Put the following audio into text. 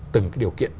từng cái điều kiện